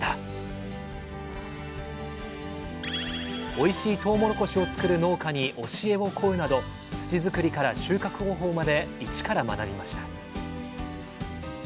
おいしいとうもろこしを作る農家に教えを請うなど土作りから収穫方法まで一から学びました。